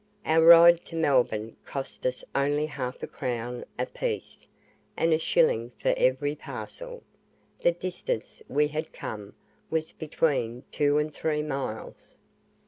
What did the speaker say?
Our ride to Melbourne cost us only half a crown a piece, and a shilling for every parcel. The distance we had come was between two and three miles.